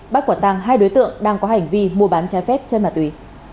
bác quản tăng hai đối tượng đang có hành vi mua bán trái phép trên ma túy